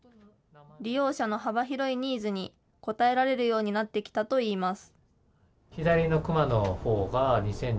利用者の幅広いニーズに応えられるようになってきたといいます。